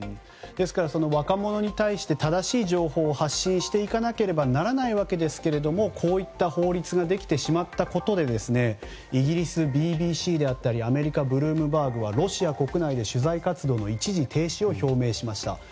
ですから若者に対して正しい情報を発信していかなければならないわけですがこういった法律ができたことでイギリスＢＢＣアメリカのブルームバーグはロシアの国内で取材活動の一時停止を表明しました。